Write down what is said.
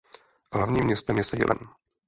Hlavním městem je Salem.